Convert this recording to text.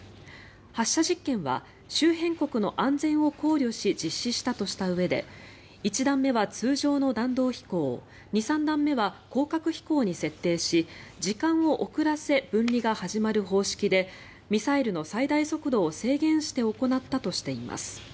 発射実験は周辺国の安全を考慮し実施したとしたうえで１段目は通常の弾道飛行２、３段目は高角飛行に設定し時間を遅らせ分離が始まる方式でミサイルの最大速度を制限して行ったとしています。